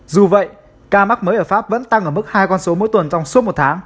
dù vậy ca mắc mới ở pháp vẫn tăng ở mức hai con số mỗi tuần trong suốt một tháng